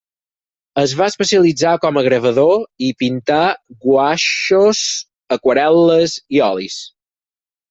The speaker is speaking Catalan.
Es va especialitzar com a gravador, i pintà guaixos, aquarel·les i olis.